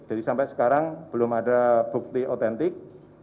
jadi sampai sekarang belum ada bukti otentik